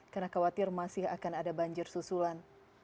karena khawatir masih akan ada banjir susulan